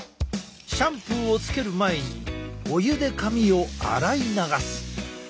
シャンプーをつける前にお湯で髪を洗い流す。